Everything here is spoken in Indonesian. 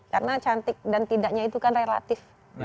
karena cantik dan tidaknya itu kan relatif